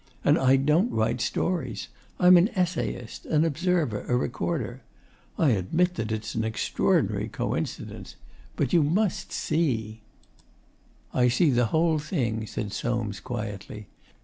And I don't write stories: I'm an essayist, an observer, a recorder.... I admit that it's an extraordinary coincidence. But you must see ' 'I see the whole thing,' said Soames quietly.